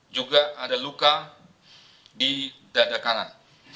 juga ada luka di dada kanan